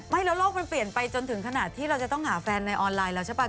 แล้วโลกมันเปลี่ยนไปจนถึงขนาดที่เราจะต้องหาแฟนในออนไลน์แล้วใช่ป่